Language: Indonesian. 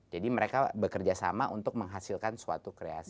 jadi mereka bekerja sama untuk menghasilkan suatu kreasi